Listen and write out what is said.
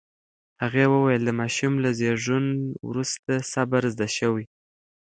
هغې وویل، د ماشوم له زېږون وروسته صبر زده شوی.